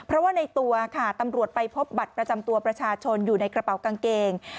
เพราะว่าในตัวค่ะตำรวจไปพบบัตรประจำตัวประชาชนอยู่ในกระเป๋ากางเกง